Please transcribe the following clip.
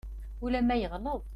Ulamma yeɣleḍ.